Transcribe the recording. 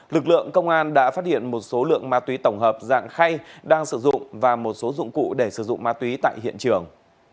lực lượng công an đã phát hiện một số lượng ma túy tổng hợp dạng khay đang sử dụng và một số dụng cụ để sử dụng ma túy tại hiện trường